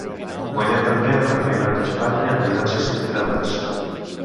Guanyà també el Campionat d'Espanya en diverses cilindrades.